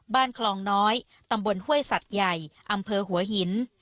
บ้านคลองน้อยตำบลห้วยสัตว์ใหญ่อำเภอหัวหิน